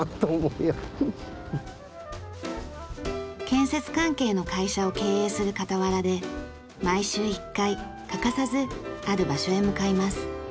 建設関係の会社を経営する傍らで毎週１回欠かさずある場所へ向かいます。